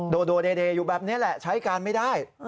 โดเดอยู่แบบนี้แหละใช้การไม่ได้